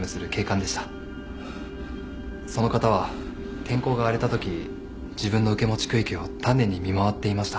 その方は天候が荒れたとき自分の受け持ち区域を丹念に見回っていました。